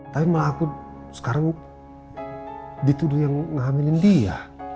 tapi malah aku sekarang dituduh yang ngambilin dia